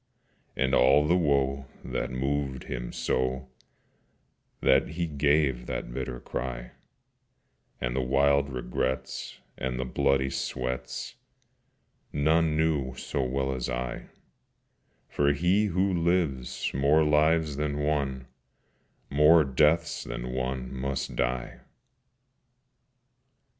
And all the woe that moved him so That he gave that bitter cry, And the wild regrets, and the bloody sweats, None knew so well as I: For he who lives more lives than one More deaths than one must die.